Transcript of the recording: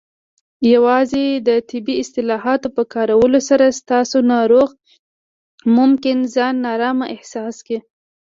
یوازې د طبي اصطلاحاتو په کارولو سره، ستاسو ناروغ ممکن ځان نارامه احساس کړي.